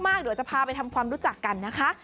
เดี๋ยวจะพาไปทำความรู้จักกันนะคะ